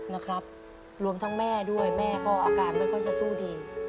นะครับรวมทั้งแม่ด้วยแม่ก็อาการไม่ค่อยจะสู้ดี